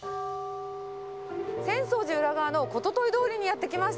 浅草寺裏側のこととい通りにやって来ました。